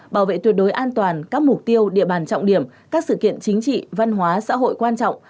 bảo vệ tuyệt đối an toàn các mục tiêu địa bàn trọng điểm các sự kiện chính trị văn hóa xã hội quan trọng